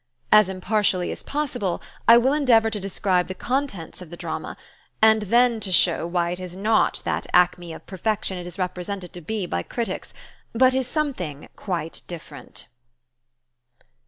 As impartially as possible, I will endeavor to describe the contents of the drama, and then to show why it is not that acme of perfection it is represented to be by critics, but is something quite different.